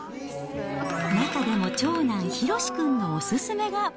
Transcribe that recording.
中でも長男、ヒロシ君のお勧めが。